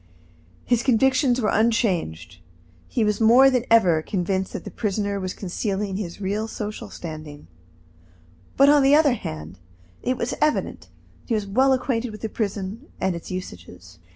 His convictions were unchanged. He was more than ever convinced that the prisoner was concealing his real social standing, but, on the other hand, it was evident that he was well acquainted with the prison and its usages.